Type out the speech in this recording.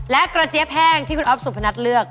และกระเจี๊ยแห้งที่คุณอ๊อฟสุพนัทเลือก